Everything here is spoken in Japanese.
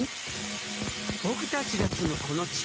僕たちが住むこの地球。